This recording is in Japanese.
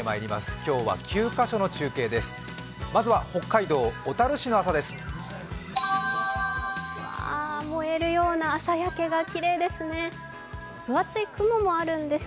今日は９カ所の中継です。